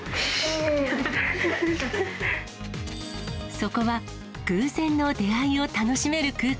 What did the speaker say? そこは偶然の出会いを楽しめる空間。